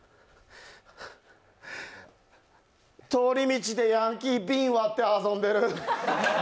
通り道でヤンキー、瓶割って遊んでる。